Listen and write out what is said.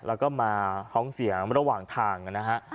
แล้วก็มาท้องเสียงระหว่างทางนะฮะ